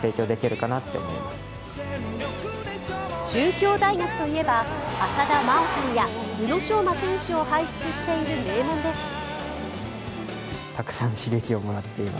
中京大学といえば、浅田真央さんや宇野昌磨選手を輩出している名門です。